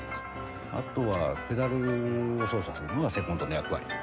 あとはペダルを操作するのはセコンドの役割。